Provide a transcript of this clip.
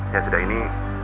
ya sudah ini